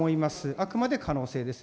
あくまで可能性です。